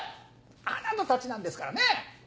あなたたちなんですからね！